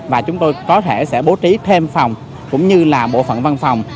và chúng tôi có thể sẽ bố trí thêm phòng cũng như là bộ phận văn phòng